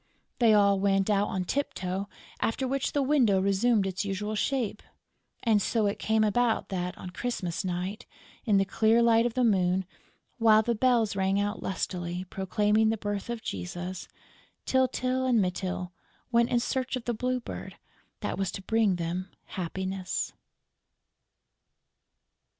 They all went out on tip toe, after which the window resumed its usual shape. And so it came about that, on Christmas Night, in the clear light of the moon, while the bells rang out lustily, proclaiming the birth of Jesus, Tyltyl and Mytyl went in search of the Blue Bird that was to bring them happiness.